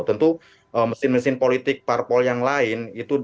tentu mesin mesin politik parpol yang lain itu